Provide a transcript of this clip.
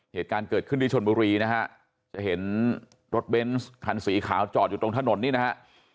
เหตุการณ์เกิดขึ้นที่ชนบุรีนะฮะจะเห็นรถเบนส์คันสีขาวจอดอยู่ตรงถนนนี่นะฮะ